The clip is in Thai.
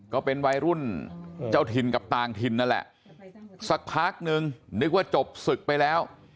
ก็เป็นวัยรุ่นเจ้าถิ่นกับต่างถิ่นนั่นแหละสักพักนึงนึกว่าจบศึกไปแล้ว